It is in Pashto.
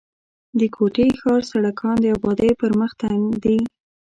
د کوټي ښار سړکان د آبادۍ پر مخ تنګ دي.